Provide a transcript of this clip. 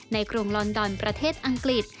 กรุงลอนดอนประเทศอังกฤษ